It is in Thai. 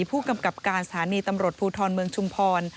ผู้กำกับการสถานีตำรวจภูทรเมืองชุมพร